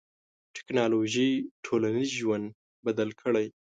ټکنالوژي ټولنیز ژوند بدل کړی.